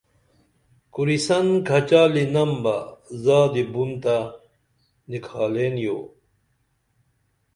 کُریسن کھچالینم بہ زادی بُن تہ نِکھالین یو